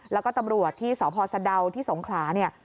แล้วก็ตำรวจที่สพสะดาวที่สงขลาเนี่ย